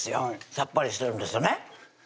さっぱりしてるんですよね